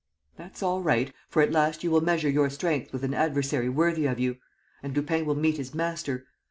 "That's all right, for at last you will measure your strength with an adversary worthy of you. ... And Lupin will meet his master.